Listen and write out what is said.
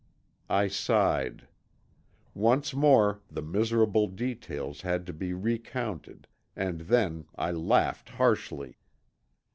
I sighed. Once more the miserable details had to be recounted and then I laughed harshly.